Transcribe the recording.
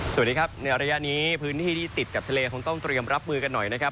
สวัสดีครับในระยะนี้พื้นที่ที่ติดกับทะเลคงต้องเตรียมรับมือกันหน่อยนะครับ